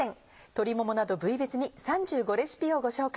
鶏ももなど部位別に３５レシピをご紹介。